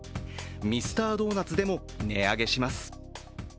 ミスタードーナツでも値上げします。